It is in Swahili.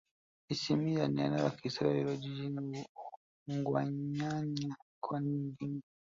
isimila ni eneo la kihistoria lililo kijiji cha ugwachanya mkoani iringa